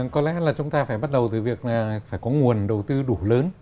có lẽ là chúng ta phải bắt đầu từ việc là phải có nguồn đầu tư đủ lớn